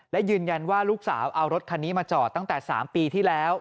และยืนยันว่าลูกสาวเอารถคันนี้มาจอดตั้งแต่๓ปีที่แล้ว